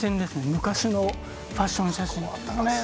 昔のファッションの写真もあったり